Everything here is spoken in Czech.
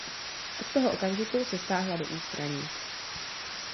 Od toho okamžiku se stáhla do ústraní.